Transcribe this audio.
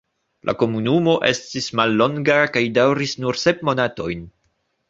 La komunumo estis mallonga kaj daŭris nur sep monatojn.